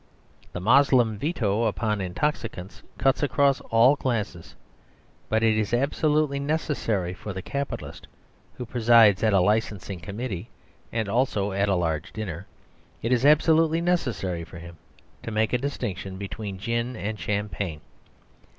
The Moslem veto upon intoxicants cuts across all classes. But it is absolutely necessary for the capitalist (who presides at a Licensing Committee, and also at a large dinner), it is absolutely necessary for him, to make a distinction between gin and champagne.